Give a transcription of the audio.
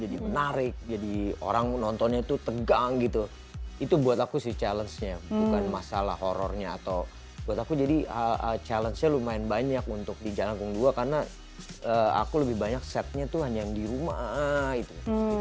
jadi menarik jadi orang nontonnya tuh tegang gitu itu buat aku sih challenge nya bukan masalah horornya atau buat aku jadi challenge nya lumayan banyak untuk di jalan kung dua karena aku lebih banyak setnya tuh hanya yang di rumah gitu